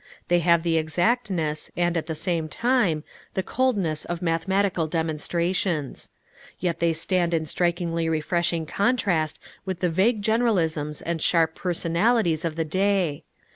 They have the exactness, and at the same time, the coldness of mathematical demonstrations. Yet they stand in strikingly refreshing contrast with the vague generalisms and sharp personalities of the day.